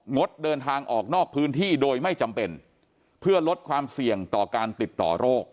งดเดินทางออกนอกพื้นที่โดยไม่จำเป็นเพื่อลดความเสี่ยงต่อการติดต่อโรค